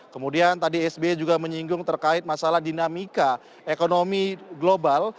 kemudian tadi sby juga menyinggung terkait masalah dinamika ekonomi global